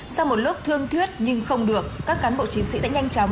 sau một lớp thương thuyết nhưng không được các cán bộ chiến sĩ đã nhanh chóng